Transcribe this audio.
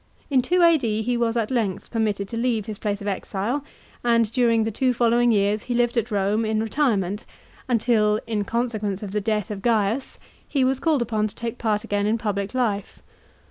In 2 A.D. he was at length permitted to leave his place of exile, and during the two following years he lived at Rome in retirement, until, in consequence of the death of Gaiu^ he was called upon to take part again in public life.